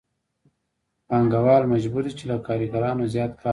پانګوال مجبور دی چې له کارګرانو زیات کار واخلي